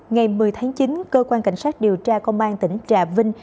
ngày một mươi tháng chín cơ quan cảnh sát điều tra công an tỉnh trà vinh